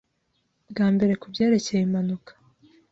bwa mbere kubyerekeye impanuka